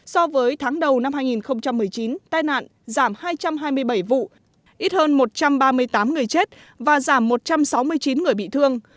so với tháng đầu năm hai nghìn một mươi chín tai nạn giảm hai trăm hai mươi bảy vụ ít hơn một trăm ba mươi tám người chết và giảm một trăm sáu mươi chín người bị thương